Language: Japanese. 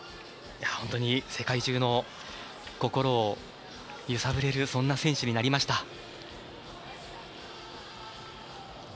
本当に世界中の心を揺さぶれるそんな選手になりました。